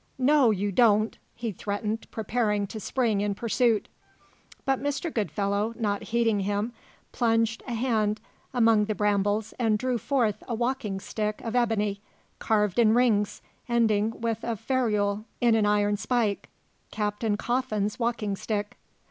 "No, you don't!" he threatened, preparing to spring in pursuit. But Mr. Goodfellow, not heeding him, plunged a hand among the brambles and drew forth a walking stick of ebony, carved in rings, ending with a ferrule in an iron spike Captain Coffin's walking stick.